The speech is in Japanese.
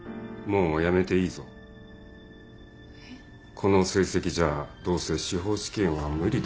この成績じゃどうせ司法試験は無理だ。